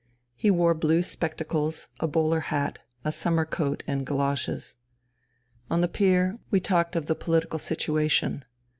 He wore blue spectacles, a bowler hat, a summer coat and goloshes. On the pier we talked of the pohtical 222 FUTILITY situation.